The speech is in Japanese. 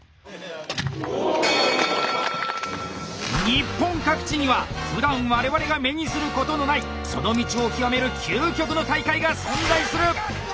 日本各地にはふだん我々が目にすることのないその道を極める究極の大会が存在する！